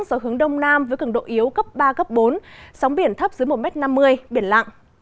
gió hướng đông nam với cường độ yếu cấp ba bốn sóng biển thấp dưới một năm mươi m biển lặng